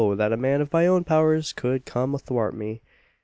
that a man of my own powers would come athwart me!"